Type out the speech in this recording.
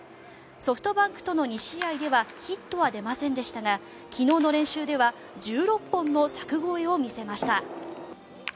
ソフトバンクとの２試合ではヒットは出ませんでしたが昨日の練習では１６本の柵越えを見せました。